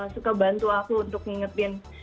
suka bantu aku untuk ngingetin